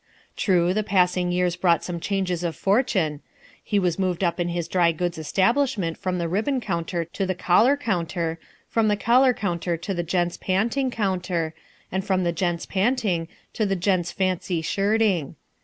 True, the passing years brought some change of fortune. He was moved up in his dry goods establishment from the ribbon counter to the collar counter, from the collar counter to the gents' panting counter, and from the gents' panting to the gents' fancy shirting.